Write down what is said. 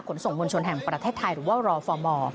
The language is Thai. ขนส่งวลชนแห่งประเทศไทยหรือว่ารฟม